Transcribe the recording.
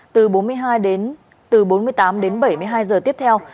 từ bốn mươi tám đến bảy mươi hai giờ tiếp theo